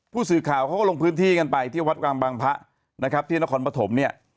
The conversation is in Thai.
ผู้สื่อข่าวเขาก็ลงพื้นที่กันไปที่วัดกลางบางพระนะครับที่นครปฐมเนี่ย